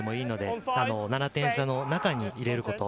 ７点差の中に入れること。